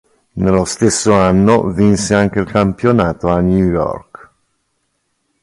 Nello stesso anno vinse anche il campionato a New York.